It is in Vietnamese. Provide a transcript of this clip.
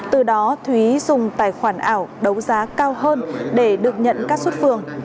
từ đó thúy dùng tài khoản ảo đấu giá cao hơn để được nhận các xuất phường